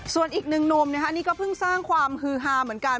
ส่วนอีกหนึ่งหนุ่มนะคะนี่ก็เพิ่งสร้างความฮือฮาเหมือนกัน